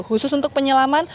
khusus untuk penyelaman